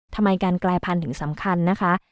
ทำไมการกลายพันธุ์ถึงสำคัญนะคะ